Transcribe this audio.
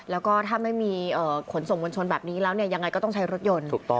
แล้วก็ถ้าไม่มีขนส่งมวลชนแบบนี้แล้วเนี่ยยังไงก็ต้องใช้รถยนต์ถูกต้อง